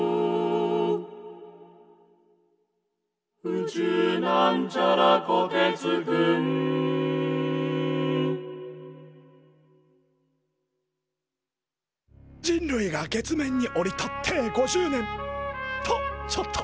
「宇宙」人類が月面に降り立って５０年。とちょっと。